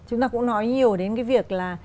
chúng ta cũng nói nhiều đến cái việc là